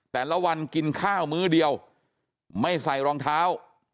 แต่ละวันกินข้าวมื้อเดียวไม่ใส่รองเท้า